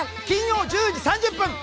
金曜１０時３０分。